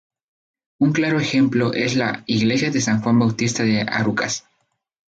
Un claro ejemplo es la "iglesia de San Juan Bautista de Arucas".